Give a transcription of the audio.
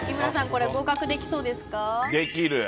これ合格できそうですか？